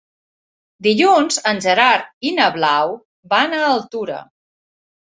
Dilluns en Gerard i na Blau van a Altura.